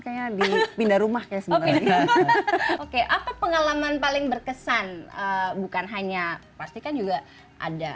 kayak dipindah rumah kayak sebagainya oke apa pengalaman paling berkesan bukan hanya pasti kan juga ada